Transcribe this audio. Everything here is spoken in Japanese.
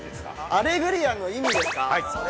◆アレグリアの意味ですか。